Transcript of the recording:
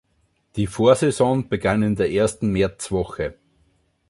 Die Vorsaison begann in der ersten Märzwoche.